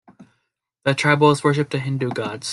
The tribals worship the Hindu gods.